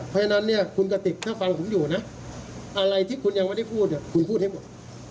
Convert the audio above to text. เพราะฉะนั้นเนี่ยคุณกติกถ้าฟังผมอยู่นะอะไรที่คุณยังไม่ได้พูดเนี่ยคุณพูดให้หมด